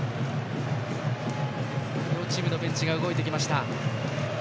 両チームのベンチが動いてきました。